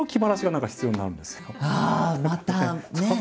またね